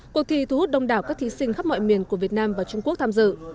cuộc thi thu hút đông đảo các thí sinh khắp mọi miền của việt nam và trung quốc tham dự